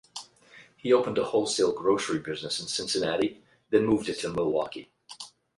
He opened a wholesale grocery business in Cincinnati, then moved it to Milwaukee.